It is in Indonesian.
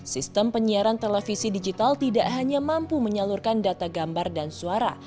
sistem penyiaran televisi digital tidak hanya mampu menyalurkan data gambar dan suara